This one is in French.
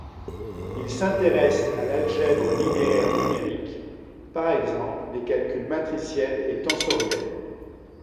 Il s'intéresse à l'algèbre linéaire numérique, par exemple, les calculs matriciel et tensoriel.